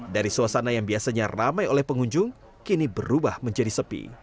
dari suasana yang biasanya ramai oleh pengunjung kini berubah menjadi sepi